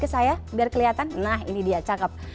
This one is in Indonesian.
ke saya biar kelihatan nah ini dia cakep